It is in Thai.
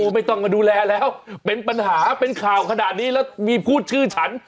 ไม่ต้องมาดูแลแล้วเป็นปัญหาเป็นข่าวขนาดนี้แล้วมีพูดชื่อฉัน